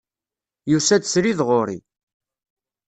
Yusa-d srid ɣer-i.